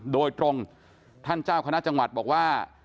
โดยตรงท่านเจ้าคณะจังหวัดบอกว่า